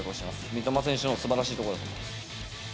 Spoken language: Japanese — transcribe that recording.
三笘選手のすばらしいところだと思います。